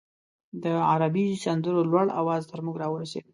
د عربي سندرو لوړ اواز تر موږ راورسېد.